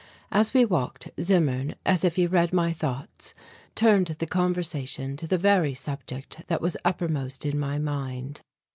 As we walked, Zimmern, as if he read my thoughts, turned the conversation to the very subject that was uppermost in my mind.